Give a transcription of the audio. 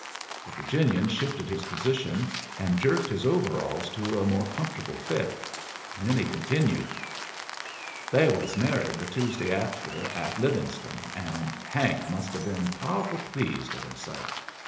The Virginian shifted his position, and jerked his overalls to a more comfortable fit. Then he continued: "They was married the Tuesday after at Livingston, and Hank must have been pow'ful pleased at himself.